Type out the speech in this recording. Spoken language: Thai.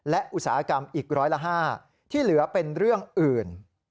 และอุตสาหกรรมอีกร้อยละ๕ที่เหลือเป็นเรื่องอื่น